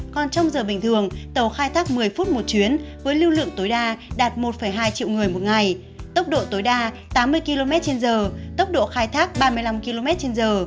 còn trong giờ bình thường tàu khai thác một mươi phút một chuyến với lưu lượng tối đa đạt một hai triệu người một ngày tốc độ tối đa tám mươi km trên giờ tốc độ khai thác ba mươi năm km trên giờ